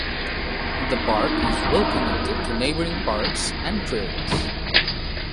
The park is well connected to neighboring parks and trails.